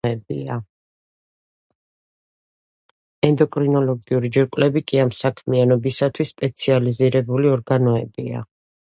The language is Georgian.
ენდოკრინული ჯირკვლები კი ამ საქმიანობისათვის სპეციალიზირებული ორგანოებია.